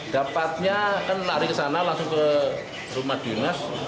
dapatnya kan lari ke sana langsung ke rumah dinas